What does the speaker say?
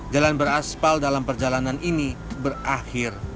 jalan beraspal dalam perjalanan ini berakhir di titik ini